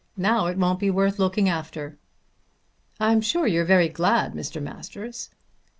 Now it won't be worth looking after." "I'm sure you're very glad, Mr. Masters."